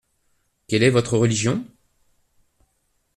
Quelle est votre religion ?